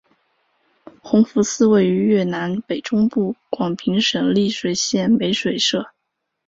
弘福寺位于越南北中部广平省丽水县美水社。